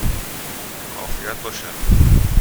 عافیت باشد!